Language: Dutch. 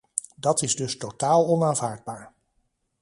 Dat is dus totaal onaanvaardbaar.